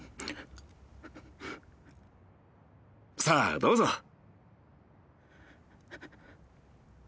さあどうぞ。